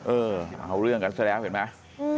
เออมาเอาเรื่องกันซะแล้วเห็นไหม